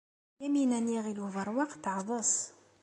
Yamina n Yiɣil Ubeṛwaq teɛḍes.